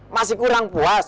masih kurang puas